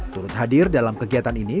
turut hadir dalam kegiatan ini